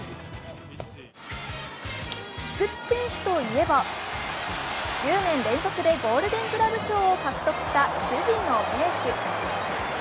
菊池選手といえば１０年連続でゴールデン・グラブ賞を獲得した守備の名手。